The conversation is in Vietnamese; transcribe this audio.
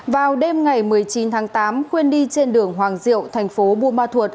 vào đêm ngày một mươi chín tháng tám khuyên đi trên đường hoàng diệu thành phố buôn ma thuột